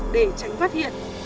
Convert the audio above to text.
để tránh phát hiện